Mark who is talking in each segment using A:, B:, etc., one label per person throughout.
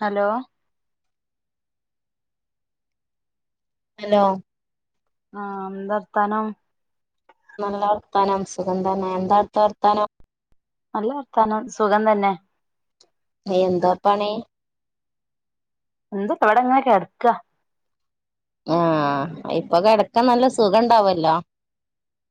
A: Hello
B: hello
A: ആഹ് എന്താർത്താനോം
B: നല്ല വർത്താനം സുഖം തന്നെ എന്താടുത്ത വർത്താനോം
A: നല്ല വർത്താനോം സുഖം തന്നെ.
B: നീ എന്താ പണി
A: എന്ത് അവടങ്ങേ ക്കെടക്കാ
B: ആഹ് ഇപ്പോ കെടക്കാൻ നല്ല സുഖംണ്ടാവല്ലോ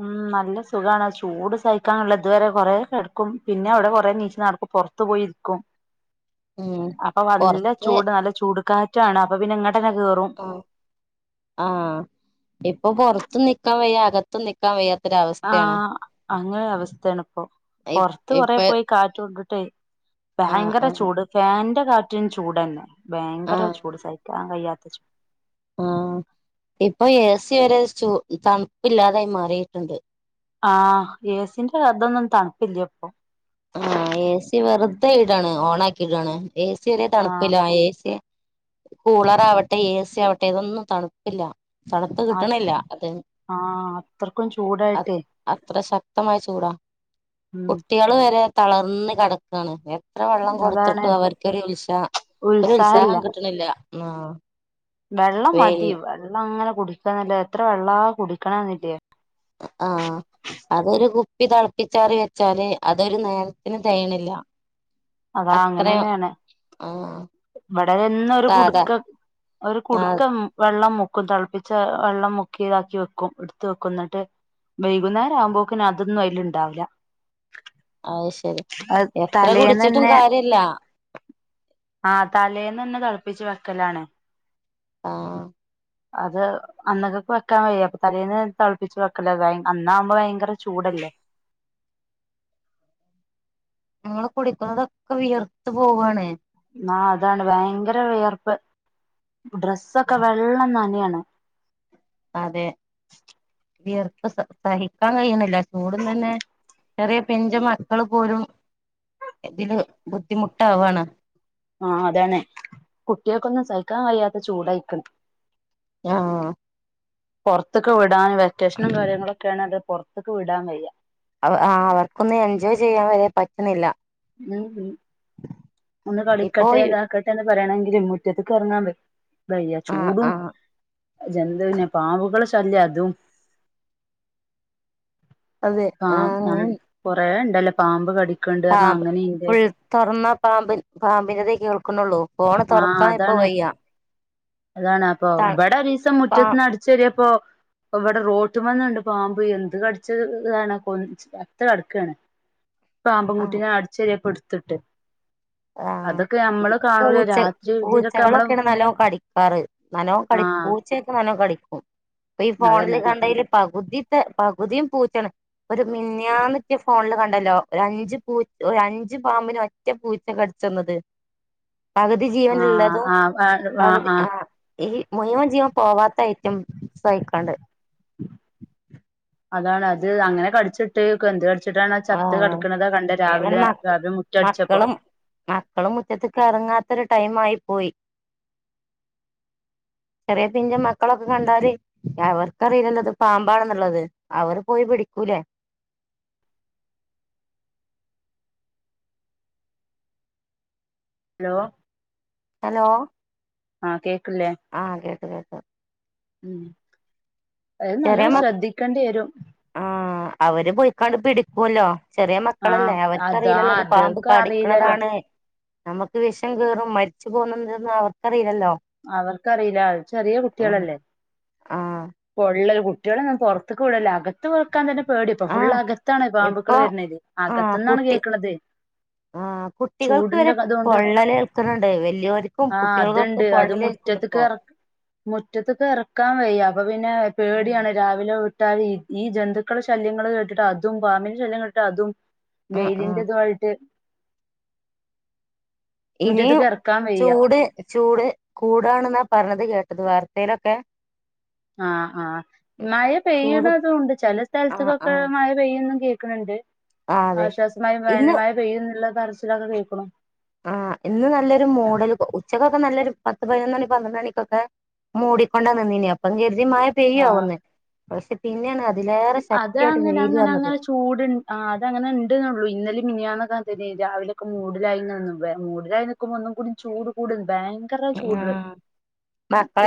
A: ഉം നല്ല സുഖാണ് ചൂട് സഹിക്കാനുള്ള ഇതുവരെ കൊറെ കെടക്കും പിന്നെ അവടെ കൊറേ നീച് നടക്കും പൊറ ത്ത് പോയിരിക്കും
B: [inaudible]
A: അപ്പോ നല്ല
B: പൊറത്ത്
A: ചൂട് നല്ല ചൂട് കാറ്റാണ് അപ്പോ പിന്നെ ഇങ്ങട്ടന്നെ കേറും
B: ആഹ് ഇപ്പോ പൊറത്ത് നിക്കാൻ വയ്യാ അക
A: ആഹ് അങ്ങനൊരു അവസ്ഥയാണിപ്പോ പൊർത്ത് കൊറേ
B: ഇപ്പ
A: പോയി കാറ്റ്കൊണ്ടി ട്ടേ
B: ആഹ്
A: ബയ്ങ്കര
B: ആഹ്
A: ചൂട് ഫാന്റെ കാറ്റും ചൂട്ന്നെ ബേയ്ങ്കര
B: ആഹ്
A: ചൂട് സ ക്കാൻ കഴിയാത്ത ചൂട്
B: ആഹ് ഇപ്പോ എ സി വരെ ചു തണുപ്പ്ല്ലാതായി മാറിട്ട്ണ്ട്.
A: ആഹ് ഏസിന്റെ അതൊന്നും തണുപ്പില്ല ഇപ്പോ
B: ആഹ് ഏ സി വെറുതെ ഇടാണ് ഓൺ ആക്കിയിടാണ് ഏ സി ഒരേ
A: ആഹ്
B: തണുപ്പില്ല ഏ സി കൂളറാവട്ടെ ഏ സിയാവട്ടെ ഇതൊന്നും തണുപ്പില്ല തണുത്ത് കിട്ടണില്ല അത
A: ആഹ് അത്രക്കും ചൂടായിട്ടേ
B: അത്ര ശക്തമായ ചൂടാ
A: ഉം
B: [unintelligible] തളർന്ന് കെട എത്ര വെള്ളം
A: അതാണ്
B: കൊടുത്തിട്ടും അവർക്കൊരു ഉത്സാ ഒരു ഉത്സാഹം
A: ഉത്സാഹല്ല
B: കിട്ടണില്ല ആഹ്
A: വെള്ളം മതി വെള്ളം അങ്ങനെ കുടിക്കണില്ല എത്ര വെള്ളാ കുടിക്കണെ ന്നില്ലേ
B: ആഹ് അതൊരു കുപ്പി തിളപ്പിച്ചാറി വെച്ചാല് അതൊരു നേരത്തിന് തെയണില്ല
A: അതാ
B: അത്രയും
A: അങ്ങനെന്നെയാണ്
B: ആഹ്
A: ഇവിടെ എന്നും ഒരു കുടുക്ക ഒരു
B: ആ
A: കുടുക്കം വെള്ളം മുക്കും തിളപ്പിച്ച വെള്ളം മുക്കി ഇതാക്കി വെക്കും എടുത്ത് വെക്കും എന്നിട്ട് വൈകുന്നേരം ആകുമ്പോക്ക് അതൊന്നും അതിലുണ്ടാവില്ല
B: അയ് ശരി
A: അത്
B: എത്ര കുടിച്ചിട്ടും
A: തലേന്നന്നെ
B: കാര്യമില്ല
A: ആഹ് തലേന്ന് തന്നെ തിളപ്പിച്ച് വെക്കലാണ്
B: ആഹ്
A: അതെ അന്നകക് വെക്കാൻ വയ്യ അപ്പൊ തലേന്ന് തിളപ്പിച്ച് വെക്കലാ അന്നാവുമ്പം ഭയങ്കര ചൂടല്ലേ
B: നമ്മള് കുടിക്കുന്നതൊക്കെ വിയർത്ത് പോവാ ണ്
A: ആഹ് അതാണ് ഭയങ്കര വിയർപ്പ് ഡ്രസ്സൊക്കെ വെള്ളം നനയാണ്
B: അതെ
A: [inaudible]
B: വിയർപ്പ് സ സഹിക്കാൻ കഴിയണില്ല ചൂടും തന്നെ ചെറിയ പിഞ്ച് മക്കള് പോലും ഇതില് ബുദ്ധിമുട്ടാവാണ്
A: ആഹ് അതാണ് കുട്ടികൾക്കൊന്നും സഹിക്കാൻ കഴിയാത്ത ചൂടായിക്കണ്
B: ആഹ്
A: പുറത്തൊക്കെ വിടാന് വെക്കേഷനും കാര്യങ്ങളൊക്കെ ആണേല് പുറത്ത് ക്ക് വിടാൻ വയ്യ
B: ആഹ് അവർക്കൊന്നും എൻജോയ് ചെയ്യാൻ വരെ പറ്റുന്നില്ല
A: ഉം ഒന്ന്
B: ഇപ്പോ
A: കളിക്കട്ടെ ഇതാക്ക ട്ടെ എന്നെ പറയാണെങ്കില് മുറ്റത്ത്ക്ക് ഇറങ്ങാൻ വ വയ്യ
B: ആഹ്
A: ചൂടും
B: ആഹ്
A: ജെനല് പിന്നെ പാമ്പുകള് ശല്യം അതും
B: അതെ
A: പ
B: അങ്ങനെ
A: കൊറേ ഇണ്ടല്ലേ പാമ്പ് കടിക്ണ്ട്
B: പാമ്പ് ഫുൾ തുറന്നാ പാമ്പ് പാമ്പിന്റെതെ കേൾക്കുന്നുള്ളൂ പോ
A: ആഹ് അതാണ് അതാണ് അപ്പൊ
B: തണുപ്പാ
A: ഇവിടെ ഒരീസം മുറ്റത്ത് നട ചേരി പ്പൊ ഇവിടെ റോട്ട്മ്മേന്നുണ്ട് പാമ്പ് എന്ത് കടിച്ച ഇതാണ് കൊ ചത്ത് കിടക്കാ ണ്
B: [inaudible]
A: പാമ്പിൻകുട്ടിനെ അടിചേരി പ്പം എടുത്തിട്ട് അതൊക്കെ നമ്മള് കാണുല
B: ച്ച പൂച്ചകളൊക്കെയാണ് നല്ലോ കടിക്കാറ് നല്ലോവും കടിക്കും
A: ആഹ്
B: പൂച്ചയൊക്കെ നല്ലോ കടിക്കും അപ്പൊ ഈ ഫോണില്
A: അതന്നെ
B: കണ്ടേല് പകുതിത്തെ പകുതിയും പൂച്ചയാണ് ഒരു മിനിഞ്ഞാന്നത്തെ ഫോണില് കണ്ടല്ലോ ഒരു അഞ്ച് പു ഒര് അഞ്ച് പാമ്പിനെ ഒറ്റ പൂ കടിച്ചന്നത് പകുതി
A: ആഹ്
B: ജീവനുള്ളതും
A: ആഹ് ആഹ്
B: പകുതി ആഹ് ഈ മുഴുവൻ ജീവൻ പോവാത്ത ഐറ്റംസായിക്കാണ്ട്
A: അതാണ് അത് അങ്ങനെ കടിച്ച് ട്ട് എന്ത് കടിച്ചിട്ടാണ് ചത്ത്
B: ആഹ്
A: കിടിക്കണതാ കണ്ടെ
B: ഏതായാലും
A: രാവിലെ
B: മക്ക
A: രാവിലെ മുറ്റം അടിച്ചപ്പം
B: മക്കളും മക്കളും മുറ്റത്തക്ക് ഇറങ്ങാത്തൊരു ടൈം ആയി പോയി ചെറിയ പിഞ്ച് മക്കളൊക്കെ കണ്ടാല് അവർക്കറിയില്ലല്ലോ ഇത് പാമ്പാണെന്നുള്ളത് അവര് പോയി പിടിക്കൂലേ
A: ഹലോ
B: അലോ
A: ആഹ് കേക്ക്ണ് ല്ലേ
B: ആഹ് കേക്ക്ണ്ട് കേക്ണ്ട്
A: ഉം അത് നല്ലോ ശ്രദ്ധിക്കേണ്ടി വരും
B: ആ അവര് പോയിക്കാണ്ട് പിടിക്കൂല്ലോ ചെറിയ മക്കളല്ലേ
A: ആഹ് അതാ
B: അവർക്ക്റിയില്ലല്ലോ അത് പാമ്പ്
A: അതൊക്കെ അറിയില്ലല്ലോ
B: കടിക്കണതാണ് നമുക്ക് വിഷം കേയറും മരിച്ചു പോകുമെന്ന് അവർക്കറിയില്ലല്ലോ
A: അവർക്കറിയില്ല അഹ് ചെറിയ കുട്ടികളല്ലേ
B: ആഹ്
A: പൊള്ളൽ കുട്ടികളെന്നും പുറത്തക്ക് വിടേല്ല അകത്ത് അകത്ത് വെക്കാൻ തന്നെ പേടി അപ്പൊ ഫുള്
B: ആഹ്
A: അകത്താണ് പാമ്പുകൾ
B: ഇപ്പൊ
A: വരണത് അകത്തു നിന്നാണ് കേൾക്കണുന്നത്
B: ആ കുട്ടികൾക്ക് വരെ
A: അതുകൊണ്ട്
B: പൊള്ളലേൽക്ണ്‌ണ്ട് വലിയവർക്കും
A: ആഹ്
B: കുട്ടികൾക്കൊക്കെ
A: അതുണ്ട്
B: പൊ
A: അത് മുറ്റത്ത് മുറ്റത്ത് എറക്കാൻ വയ്യ അപ്പൊ പിന്നെ പേടിയാണ് രാവിലെ ട്ടാഈ ഈ ജന്തുക്കളെ ശല്യങ്ങൾ കേട്ടിട്ട് അതും പാമ്പിന്റെ ശല്യം കേട്ടിട്ട് അതും
B: ആഹ് ആഹ്
A: വെയിലിന്റെതുമായിട്ട്
B: ഇനിയും
A: മുറ്റത്ത്ക്ക് ഇറക്കാൻ വയ്യ
B: ചൂട് ചൂട് കൂടാണ് ന്നാ പറഞ്ഞത് കേട്ടത് വാർത്തയിലൊക്കെ
A: ആഹ് ആഹ് മഴ
B: ചൂട്
A: പെയ്യ്ണതും ഉണ്ട് ചില
B: ആഹ്
A: സ്ഥലത്ത്ക്കൊക്കെ
B: ആഹ്
A: മഴ പെയ്യൊന്നും കേൾക്കണണ്ട്
B: ആഹ് അതെ
A: ആശ്വാസമായ
B: ഇന്ന്
A: വേനൽ മഴ പെയ്യും എന്നുള്ള പറച്ചിലൊക്കെ കേക്കുനു
B: ആഹ ഇന്ന് നല്ലൊരു മൂഡൽ ഉച്ചക്കൊക്കെ നല്ലൊരു പത്ത് പതിനൊന്ന് മണി പന്ത്രണ്ട് മണിക്കൊക്കെ മൂടിക്കൊണ്ടാ നിന്നിനേ അപ്പം കരുതി മഴ പെയ്യ
A: ആഹ്
B: ആവുന്ന പക്ഷെ പിന്നെയാണ് അതിലേറെ ശക്തിയായിട്ട് വെയ്ൽ വന്നത്
A: ചൂട്ണ്ട് അത അങ്ങനെ ഉണ്ട്ന്നള്ളൂ ഇന്നലെ മിനിയാണൊക്ക അതന്നെയ്നി രാവിലൊക്കെ മൂടലായങ്ങനെ നിന്ന് വെ മൂടലായ ഒന്നും കൂടി ചൂട് കൂട ബയങ്കരം
B: ഉം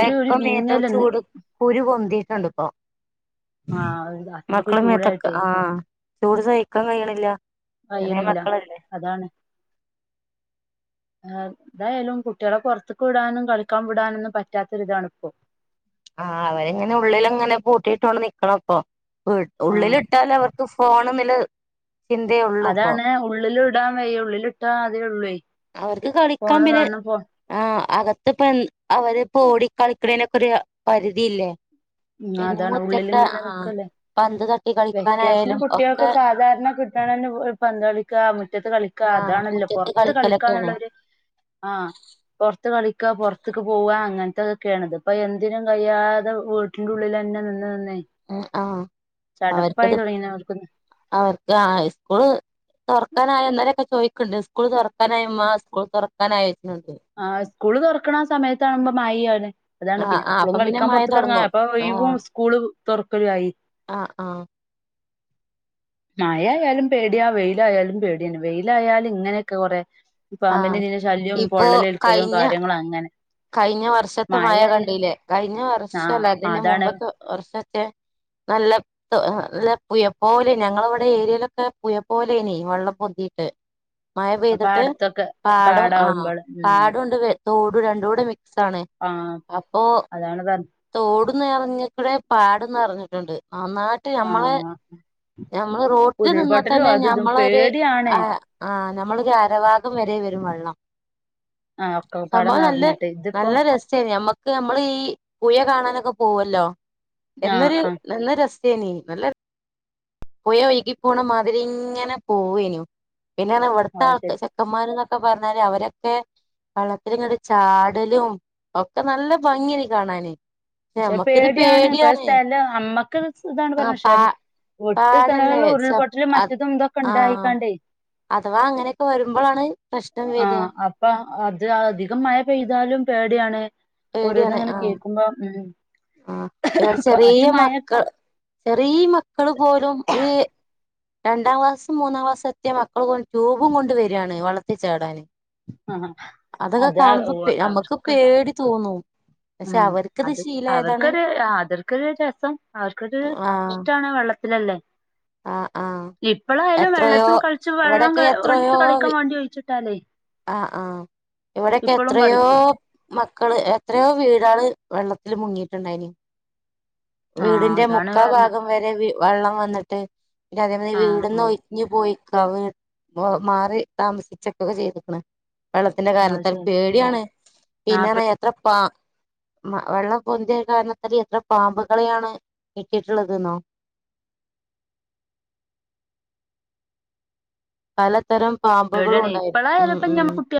A: ഒരു ഒരു
B: മേത്ത്
A: വിങ്ങലും
B: ചൂട് കുരു പൊന്തിയിട്ടുണ്ട് ഇപ്പൊ
A: ആഹ് അത്രയ്ക്ക്
B: മക്കളെ മേത്തൊക്കെ
A: ചൂടായിട്ടേ
B: ആഹ ചൂട് സഹിക്കാൻ കഴിയണില്ല ചെറിയ
A: കഴിയണില്ല
B: മക്കളല്ലേ
A: അതാണ്
B: [inaudible]
A: ആ എതായാലും കുട്ടികളെ പുറത്തക്ക് വിടാനും കളിക്കാൻ വിടാനൊന്നും പറ്റാത്തൊരിതാണിപ്പം
B: ആ അവരിങ്ങനെ ഉള്ളിൽ അങ്ങനെ പൂട്ടിയിട്ടോണ്ട് നിക്കണം അ
A: ആഹ്
B: ഉള്ളിലിട്ടൽ അവർക്ക് ഫോൺന്ന്ള്ള ചിന്തേ യുള്ളൂ
A: അതാണ് ഉള്ളിൽ ഇടാൻ വയ്യ ഉള്ളിലിട്ടാ അതേ ഉള്ളേ
B: അവർക്ക് കളിക്കാം
A: ഫോണ്
B: പിന്നെ
A: കാണണം ഫോ
B: ആഅകത്ത് പ്പം അവര്‌പ്പോ ഓടി കളിക്കണേനൊക്കെ ഒരു പരിധിയില്ലേ
A: ആ
B: പിന്നെ
A: അതാണ് ഉള്ളിൽ
B: മുറ്റത്തെ
A: ഇങ്ങനെ
B: ആ
A: നിക്കല്ലേ
B: പന്ത് തട്ടി
A: വെക്കേഷന്
B: കളിക്കാനായാലും
A: കുട്ടികൾക്ക്
B: ഒക്കെ
A: സാധാരണ കിട്ടണന്നെ പന്ത് കളിക്കാ മുറ്റത്ത് കളിക്ക ക്കാ
B: ആ
A: അതാണല്ലോ
B: മുറ്റത്ത്
A: പൊറത്ത്
B: കളിക്കലൊക്കെയാണ്
A: കളിക്കാന്നുള്ളരു ആഹ പൊറത്ത് കളിക്കാ പൊറത്തേക്ക് പോവാ അങ്ങനത്തക്കൊക്കെയണത് ഇപ്പൊ എന്തിനും കഴിയാതെ വീട്ടിന്റെ ഉള്ളിൽ തന്നെ നിന്ന് നിന്നേ
B: ഉം ആ
A: ചടപ്പായി
B: അവർക്കത്
A: തുടങ്ങണ് അവർക്ക്
B: അവർക്ക് ആ സ്കൂൾ തുറക്കാനായോ ഇന്നലൊക്കെ ചോദിക്കുന്നുണ്ട് സ്കൂൾ തുറക്കാനായമ്മാ സ്കൂൾ തുറക്കാനാ യോ ചോയ്ക്കുന്നുണ്ട്
A: ആ സ്കൂള് തുറക്കണ സമയത്താ കുമ്പോ മഴ ആണ് അതാണ്
B: ആ
A: പിന്നെ
B: ആ അപ്പൊ
A: അപ്പളും
B: പിന്നെ
A: കളിക്കാൻ
B: മഴ
A: പുറത്ത് ക്കർങ്ങാൻ
B: തുടങ്ങും
A: അപ്പൊ ഒഴിവും സ്കൂള് തുറക്കലും ആയി
B: അ ആഹ്
A: മാഴയാലും പേടിയാ വെയിലായാലും പേടിയന്നെ വെയിലായാല് ഇങ്ങനെയൊക്കെ കൊറെ ഇ
B: ആ
A: പാമ്പിന്റെതീല ശല്യം
B: ഇപ്പോ
A: പൊള്ളലേൽക്കലും
B: കഴിഞ്ഞ
A: കാര്യങ്ങളും അങ്ങനെ
B: കഴിഞ്ഞ വർഷത്തെ മഴ
A: മഴയായ
B: കണ്ടില്ലേ കഴിഞ്ഞ
A: ആ
B: വർഷല്ല അതിന്റെ
A: അതാണ്
B: മുമ്പത്തെ വർഷത്തെ നല്ലയ് ല്ല പുഴപോലെ ഞങ്ങള ഇവിടെ ഏരിയയിലൊക്കെ പുഴപോലെനി വെള്ളം പൊന്തിട്ട് മഴ പെയ്തിട്ട്
A: പാടത്തൊക്കെ
B: പാടും ആഹ
A: പാടാവുമ്പള് ഉം
B: പാടുണ്ട് തോടും രണ്ടുടെ മിക്സാണ്
A: ആ
B: അപ്പൊ
A: അതാണ് പറഞ്ഞ
B: തോടും ന്നെറഞ്ഞ്ക്ക്ടെ പാടംന്നറഞ്ഞിട്ടുണ്ട് ഒന്നായിട്ട്
A: ആ
B: ഞമ്മളെ ഞമ്മള് റോട്ടിൽ നിന്നാ
A: ഉരുൾപൊട്ടലും
B: തന്നെ
A: അതും ഇതും
B: ഞമ്മളൊരു
A: പേടിയാണ്
B: ആഹ് ആഹ് ഞമ്മളൊരു അരഭാഗം വരെ വരും വള്ളം
A: ആ ഒക്കപ്പാടെ
B: സംഭവം നല്ലെ
A: നിറഞ്ഞിട്ട് ഇതിപ്പോ
B: നല്ല രസ് സേനു നമ്മക്ക് നമ്മള് ഈ പുഴ കാണാനൊക്കെ പോവല്ലോ
A: ആ
B: എന്നൊരു
A: ആ
B: ന്നെന്നൊരസ് [unintelligible] പുയ ഒഴ്കി പോണ മാതിരി ഇങ്ങനെ പോവേനു പിന്നൊണ് ഇവിടുത്തെ
A: അത്
B: ആൾക്ക്
A: ശരി
B: ചെ ക്കമ്മാര് ന്നൊക്കെ പറഞ്ഞാല് അവരൊക്കെ വള്ളത്തിലങ്ങട്ട് ചാടലും ഒക്കെ നല്ല ഭംഗിയെനി കാണാന്
A: പക്ഷെ പേടിയാണ് പ സ്ഥല അമ്മക്ക്ത് ഇതാണ്
B: ആ
A: പറഞ്ഞു പക്ഷെ
B: പാ
A: ഒട്ട്
B: പാടല്ലേ
A: സ്ഥലങ്ങളിലും
B: ച
A: ഉരുൾപൊട്ടല് മറ്റതും തൊക്കെ ഉണ്ടായിക്കാണ്ടേ
B: ആഹ് അങ്ങനെക്കെ വരുമ്പളാണ് കഷ്ടം
A: ആ
B: വെരാ
A: അപ്പൊ അത് അധികം മഴ പെയ്താലും പേടിയാണ് ഓരോന്നുങ്ങനെ കേക്കുമ്പോ ഉം
B: ആഹ് ഇവടെ ചെറീ
A: മഴയൊക്കെ
B: മക്ക ചെറീ മക്കള് പോലും ഒരു രണ്ടാം ക്ലാസ്സും മൂന്നാം ക്ലാസ്സത്തിയ മക്കൾ പോലും ട്യൂബും കൊണ്ട് വരാണ് വളത്തി ചാടാന്
A: ആ
B: അതൊക്കെ
A: അത്
B: കാണുമ്പ പേ അമ്മക്ക്
A: അവർക്ക്
B: പേടി തോന്നും പക്ഷെ
A: ഉം
B: അവർക്കിത്
A: അത്
B: ഇഷ്
A: അവർക്കൊരു ആഹ് അതർക്കരു രസം അവർക്കതു
B: ആ
A: ഇഷ്ട്ടാണ് വെള്ളത്തിലല്ലേ
B: ആഹ് ആഹ്
A: ഇപ്പളായാലും
B: എത്രയോ
A: വെള്ളത്തു കളിച്ചു വെള്ളം
B: ഇവിടൊക്കെ
A: ക ഒഴുത്ത്
B: എത്രയോ
A: കളിക്കാ വാണ്ടി ഒഴിച്ചിട്ടാലേ
B: ആഹ് ആഹ് ഇവിടെക്കെ
A: ഇപ്പളും
B: എത്രയോ
A: കളിക്കും
B: മക്കള് എത്രയോ വീടാള് വെള്ളത്തിൽ മുങ്ങിയിട്ടുണ്ടായിന്
A: ആ
B: വീടിന്റെ
A: അതാണ്
B: മുക്കാ
A: പറഞ്ഞെ
B: ഭാഗം വരെ വി വള്ളം വന്ന്ട്ട് പിന്നെ അതേമാരി
A: ആ ആ
B: വീടൊന്നും ഒ ഞ്ഞ് പൊയിക്ക വീ വ മാറി താമസിച്ച്ട്ട് ക്കെ ചെയ്തു വെള്ളത്തിന്റെ
A: അത്
B: കാരണത്താൽ
A: ശരി
B: പേടിയാണ്
A: ആ
B: പിന്നറ എത്ര പാ മ വെള്ളം പൊന്തിയ കാരണത്തല് എത്ര പാമ്പുകളെയാണ് കിട്ടിയിട്ടുള്ളതന്നോ പലതരം പാമ്പുകളും
A: പേടിയാണ്
B: ഉണ്ടായി
A: ഇപ്പളായാലും
B: ഉം
A: ഇപ്പൊ
B: ഉം
A: ഞമ്മ കുട്ടിയ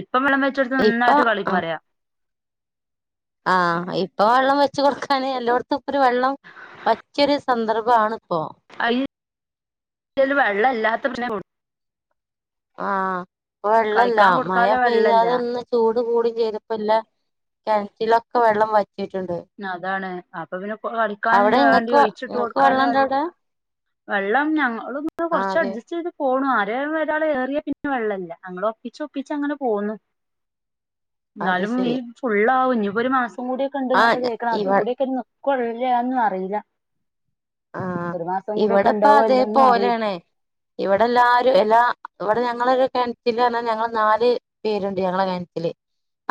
A: ഇപ്പം വള്ളം വെച്ചെടുത്ത്
B: ഇപ്പൊ
A: നന്നായിട്ട് കളി
B: ആ
A: പറയാ
B: ആഹ് ഇപ്പൊ വെള്ളം വെച്ച് കൊടുക്കാന് എല്ലോടത്തും ഇപ്പരു വെള്ളം പറ്റിയൊരു സ് സന്ദർബാന്പ്പോ
A: അയ് അല് വെള്ളം ഇല്ലാത്ത പ്രശ്നപ്പോ
B: ആഹ് ഇപ്പ വെള്ളല്ല
A: കളിക്കാൻ
B: മഴ
A: കൊടുക്കാല്ല വെള്ളല്ല
B: പെയതാതെ ഒന്ന് ചൂട് കൂടും ചെയ്തപ്പോ ല്ല കെണറ്റിലൊക്കെ വെള്ളം വറ്റിട്ട്ണ്ട്
A: അതാണ് അപ്പൊ പിന്നെ പൊ
B: അവിടെ
A: കളിക്കാന്ല്ലേ വണ്ടി
B: ഇങ്ങക്ക്
A: ഒഴിച്ചിട്ട്
B: ഇങ്ങക്ക് വെള്ളണ്ടോ
A: കൊടുക്കാനാര്
B: അവിടെ
A: വെള്ളം ഞങ്ങളൊന്ന്
B: ആഹ്
A: കൊറച്ച്
B: അതെ
A: അഡ്ജസ്റ്റ് ചെയ്ത് പോണു ആരെ ഒരാള് ഏറിയാ പിന്നെ വെള്ളല്ല അങ്ങള് ഒപ്പിച്ച് ഒപ്പിച്ച് അങ്ങനെ പോന്നു
B: അത്
A: ഇന്നാലും ഈ
B: ശരി
A: ഫുള്ളാവും ഞ്ഞി പൊരുമാസം കൂടിയൊക്കെണ്ട്ന്നല്ലേ
B: ആഹ്
A: കേൾക്കണ
B: ഇവ
A: അതും കൂടിയൊക്കെന്നെ കൊള്ള്യാന്നു അറിയില്ല
B: ആഹ്
A: ഒരു മാ
B: ഇവിടെപ്പ അതേപലേണേ ഇവിടെ എല്ലാരും എല്ലാ ഇവിടെ ഞങ്ങങ്ങളൊരു കെണറ്റ്ല് പറഞ്ഞാ ഞങ്ങള് നാല് പേരുണ്ട് ഞങ്ങളെ കെ ൻറ്റില്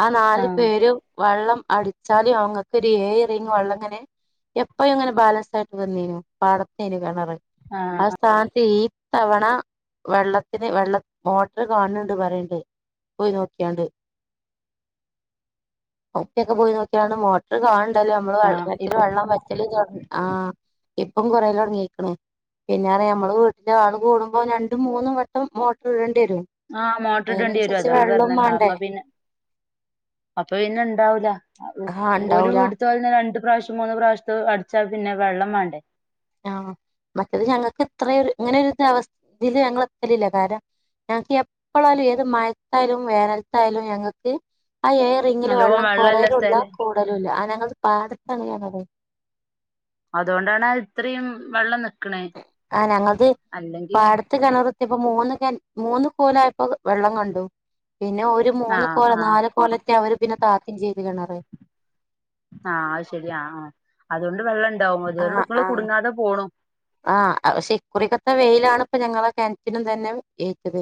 B: ആ നാല്
A: ആഹ്
B: പേരും വള്ളം അടിച്ചാലും അങ്ങക്ക് ഒരു ഏഴ് റിങ്ങ് വെള്ളം ഇങ്ങനെ എപ്പഴും ഇങ്ങനെ ബാലസാ നിന്നിനു പാടത്തേന്നു കെണറ്
A: ആഹ് അഹ്
B: സ്ഥാനത്ത് ഈ തവണ വെള്ളത്തിന് വെള്ള മോട്ടർ കാണണണ്ട് പറയണ്ടേ പോയി നോക്കിയാണ്ട് ഉപ്പക്കെ പോയി നോക്കിയാണ്ട് കാണണ്ടല്ലോ നമ്മളെ വെള്ളം കെണറ്റില് വള്ളം വറ്റല്താ ആഹ് ഇപ്പൊക്കെ കൊറയല് തൊടങ്ങീക്ക്ന് പിന്നെ അറിയാം നമ്മള് വീട്ടിന്റെ ആൾ കൂടുമ്പോ രണ്ടും മൂന്നും വട്ടം മോട്ടർ ഇടേണ്ടി വരും
A: ആഹ്
B: അപ്പ
A: മോട്ടോർ ഇടേണ്ടി വരും
B: അതിനനുസരിച്ച്
A: അതാണ്
B: വെള്ളം
A: പറഞ്ഞണത്
B: വേണ്ടേ
A: അപ്പൊ പിന്നെ അപ്പൊ പിന്നെ ഉണ്ടാവൂല
B: ആ
A: ഒരു
B: ഉണ്ടാവൂല
A: വീടുത്ത പിന്നെ രണ്ട് പ്രാവശ്യം മൂന്ന് പ്രാവശ്യം അടിച്ചാൽ പിന്നെ വെള്ളം വേണ്ടേ
B: ആഹ മറ്റേത് ഞങ്ങൾക്ക് ഇത്ര ഇങ്ങനെ ഒരു അവസ്ഥയില് ഞങ്ങൾ എതലില്ല കാരണം ഞങ്ങൾക്ക് എപ്പോഴാലും ഏത് മഴത്തായാലും വേനലക്കായാലും ഞങ്ങൾക്ക് ആ എയറി ഇങ്ങില്
A: നല്ലോം
B: വെള്ളം
A: വെള്ളല്ല
B: കുറേലൂല്ല
A: സ്ഥലം
B: കൂടുലുയില്ല ആ ഞങ്ങ പാടത്തണിയാണ
A: അതുകൊണ്ടാണ് ഇത്രയും വെള്ളം നിക്കണേ
B: ആഹ്‌ ഞങ്ങക്ക്
A: അല്ലെങ്കി
B: പാട ത്ത് കിണർത്തിപ്പോ മൂന്ന് കെൻ മൂന്ന് കോലായപ്പോ വെള്ളം കണ്ടു പിന്നെ ഒരു മൂന്ന്
A: ആഹ്
B: കോല
A: ആഹ്
B: നാല് കോലത്തെ അവര് പിന്നെ താത്തി ചെയ്തിണറേ
A: ആഹ് അത് ശരിയാ ആഹ് അതുകൊണ്ട് വെള്ളം ഇണ്ടാവും അവരുടെക്കൾ കുടുങ്ങാതെ പോണു
B: ആഹ ശെക്കുറിക്കത്തെ വെയിലാണ് ഇപ്പ ഞങ്ങള കിണറ്റിനും തന്നെ എറ്റാത്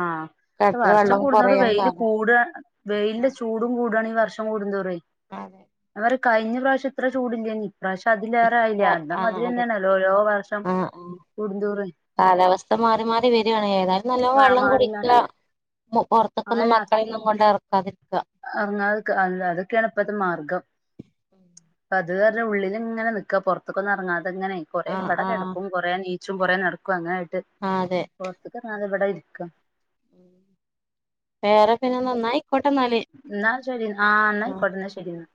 A: ആഹ വർഷം കൂടുന്നവര്
B: കൊറയാൻ
A: വെൽ
B: കാരണം
A: കൂട വെയിലന്റെ ചൂടും കൂടാണ് ഈ വർഷം കൂടന്തോറ
B: അതെ
A: അവരെ കഴിഞ്ഞ പ്രാവശ്യം ഇത്ര ചൂടില്ലന പ്രാവശ്യം അതിലേറൊയില്ലേ അത അതി
B: ആഹ്
A: തന്നെയാണല്ലോ ഓരോ വർഷം
B: ആഹ് ആഹ്
A: കടുന്തൂറ്
B: കാലാവസ്ഥ മാറി മാറി വരിവാണെങ്കിൽ ഏതാലും നല്ല വെള്ളം
A: മാറി
B: കുടിക്കറത്ത് ഇതൊക്കൊന്നും മക്കളെയന്നും കൊണ്ട് ഇറക്കാതിരിക്കുക
A: ഇറങ്ങാതെ അതൊക്കെയാണ് ഇപ്പഴത്തെ മാർഗം അ അത് ഉള്ളിൽ ഇങ്ങനെ നിക്ക പുറത്തൊക്കൊന്നും ഇറങ്ങാതെങ്ങനെ കൊറെേ
B: ആഹ് ആഹ്
A: വടകിടക്കും കൊറേ നീച്ചും കൊറേ നടക്കും അങ്ങനൊയിട്ട്
B: ആഹ്‌ അതെ
A: പുറത്തക്കണതെവിടെ ഇരിക്കാം
B: പെറേ പിന്നെ നന്നായി കൊട്ടെന്നാലേ
A: എന്നാശരി ആഹ്‌ ആയിക്കോട്ടെന്നാ ശരിയെന്ന